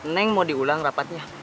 neng mau diulang rapatnya